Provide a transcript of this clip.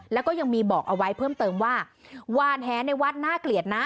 แล้วก็ยังมีบอกเอาไว้เพิ่มเติมว่าหวานแหในวัดน่าเกลียดนะ